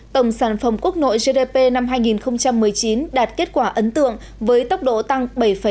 tổng sản phẩm quốc nội gdp năm hai nghìn một mươi chín đạt kết quả ấn tượng với tốc độ tăng bảy tám